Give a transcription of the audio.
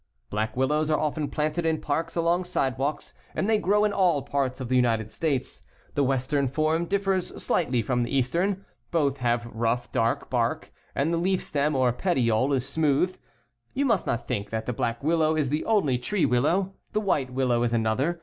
Black willows are often planted in parks along sidewalks, and they grow in all parts of the United States. The western form differs slightly from the eastern. Both have rough dark bark and the leaf stem, ox petiole, is smooth. You must not think that the black willow is the only tree willow. The white willow is another.